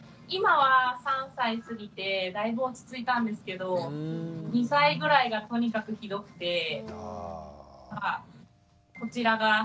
今は３歳過ぎてだいぶ落ち着いたんですけど２歳ぐらいがとにかくひどくて。